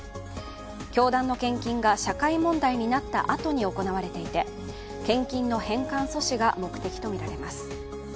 教団の献金が社会問題になったあとに行われていて献金の返還阻止が目的とみられます。